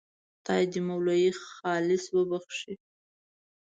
خدای دې مولوي خالص وبخښي.